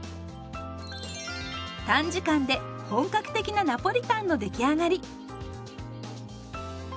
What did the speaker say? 短時間で本格的なナポリタンの出来上がり。